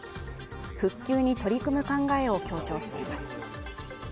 復旧に取り組む考えを強調しています。